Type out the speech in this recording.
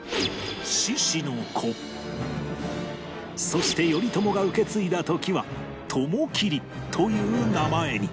そして頼朝が受け継いだ時は友切という名前に